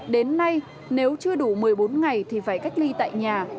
đến nay nếu chưa đủ một mươi bốn ngày thì phải cách ly tại nhà